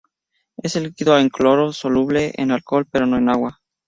Es un líquido incoloro soluble en alcohol, pero no en agua.